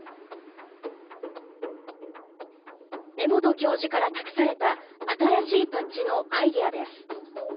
根本教授から託された新しいパッチのアイデアです。